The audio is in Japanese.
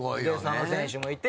佐野選手もいて。